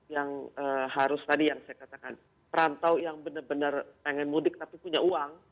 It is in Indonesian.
yang harus tadi yang saya katakan perantau yang benar benar pengen mudik tapi punya uang